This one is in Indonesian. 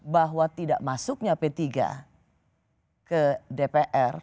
bahwa tidak masuknya p tiga ke dpr